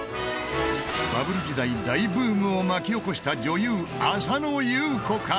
バブル時代大ブームを巻き起こした女優浅野ゆう子か？